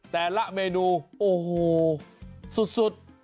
แต่ละเมนูโอ้โหสุด